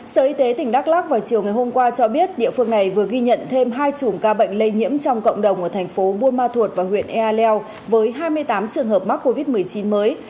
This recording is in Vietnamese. sở y tế tỉnh đắk lắc vào chiều ngày hôm qua cho biết địa phương này vừa ghi nhận thêm hai chủng ca bệnh lây nhiễm trong cộng đồng ở thành phố buôn ma thuột và huyện ea leo với hai mươi tám trường hợp mắc covid một mươi chín mới